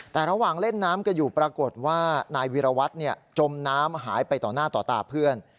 แต่ระหว่างเล่นน้ำกันอยู่ปรากฏว่านายวิรวัตรจมน้ำหายไปต่อหน้าต่อตาเพื่อน